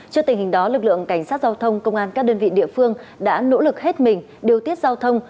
trước tình hình đó lực lượng cảnh sát giao thông công an các đơn vị địa phương đã nỗ lực hết mình điều tiết giao thông